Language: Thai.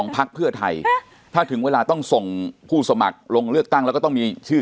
พักเพื่อไทยถ้าถึงเวลาต้องส่งผู้สมัครลงเลือกตั้งแล้วก็ต้องมีชื่อ